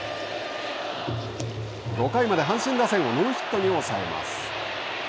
５回まで阪神打線をノーヒットに抑えます。